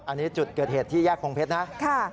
อันนี้จุดเกิดเหตุที่แยกพงเพชรนะ